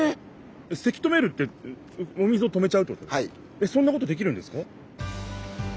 えっそんなことできるんですか？